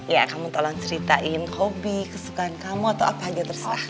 ya kamu tolong ceritain hobi kesukaan kamu atau apa aja terserah